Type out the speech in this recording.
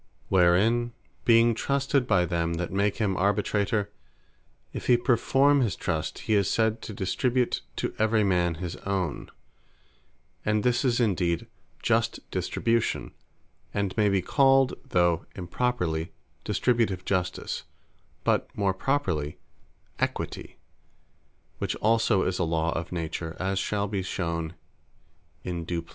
Wherein, (being trusted by them that make him Arbitrator,) if he performe his Trust, he is said to distribute to every man his own: and his is indeed Just Distribution, and may be called (though improperly) Distributive Justice; but more properly Equity; which also is a Law of Nature, as shall be shewn in due place.